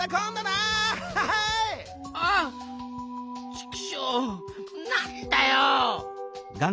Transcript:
チクショーなんだよ！